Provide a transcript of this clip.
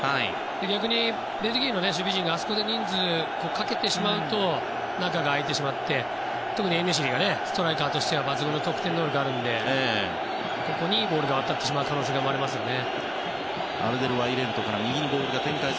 逆にベルギーの守備陣があそこで人数をかけてしまうと中が空いてしまって特にエンネシリがストライカーとしては抜群の得点力があるのでここにボールが渡ってしまう可能性が生まれますよね。